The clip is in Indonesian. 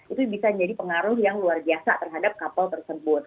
itu bisa jadi pengaruh yang luar biasa terhadap kapal tersebut